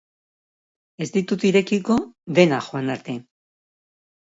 Ez ditut irekiko denak joan arte.